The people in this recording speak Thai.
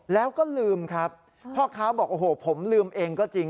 แล้วก็ลืมครับพ่อค้าบอกโอ้โหผมลืมเองก็จริง